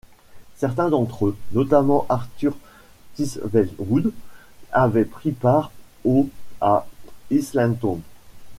Certains d'entre eux, notamment Arthur Thistlewood, avaient pris part aux à Islington.